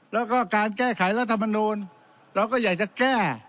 แล้วก็การแก้ไขรัฐมนูลเราก็อยากจะแก้